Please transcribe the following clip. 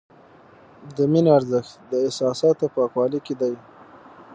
د مینې ارزښت د احساساتو پاکوالي کې دی.